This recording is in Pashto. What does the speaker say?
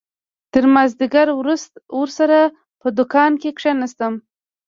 تر مازديگره ورسره په دوکان کښې کښېناستم.